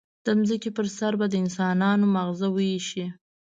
د ځمکې پر سر به د انسانانو ماغزه وایشي.